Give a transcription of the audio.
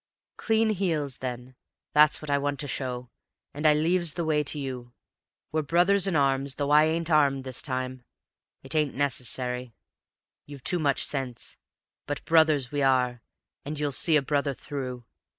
"Clean heels, then; that's what I want to show, and I leaves the way to you. We're brothers in arms, though I ain't armed this time. It ain't necessary. You've too much sense. But brothers we are, and you'll see a brother through.